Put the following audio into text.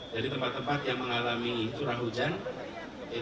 jadi tempat tempat yang mengalami curah hujan itu